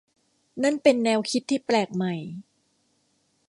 นั่นเป็นแนวคิดที่แปลกใหม่